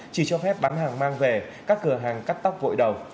chỉ cho phép bán hàng mang về các cửa hàng cắt tóc vội đầu